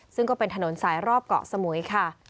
ซึ่งก็เป็นถนนสายรอบเกาะสมุยค่ะ